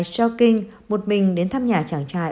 xiaoqing một mình đến thăm nhà chàng trai